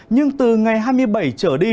nhưng từ ngày hai mươi bảy trở đi